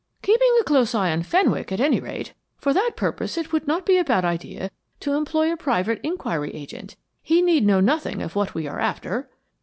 "Keeping a close eye upon Fenwick at any rate. For that purpose it would not be a bad idea to employ a private inquiry agent. He need know nothing of what we are after."